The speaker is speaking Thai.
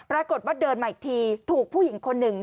ปรากฏว่าเดินมาอีกทีถูกผู้หญิงคนหนึ่ง